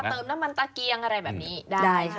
เทรียมน้ำมันตะเกียงอะไรแบบนี้